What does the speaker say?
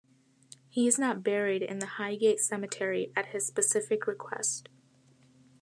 He is not buried in Highgate Cemetery at his specific request.